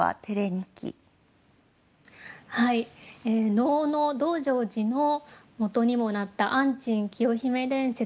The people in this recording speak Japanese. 能の「道成寺」のもとにもなった「安珍清姫伝説」。